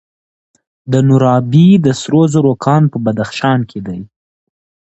د نورابې د سرو زرو کان په بدخشان کې دی.